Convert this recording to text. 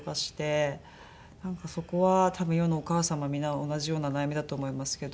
なんかそこは多分世のお母様皆同じような悩みだと思いますけど。